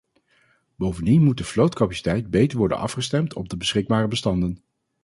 Bovendien moet de vlootcapaciteit beter worden afgestemd op de beschikbare bestanden.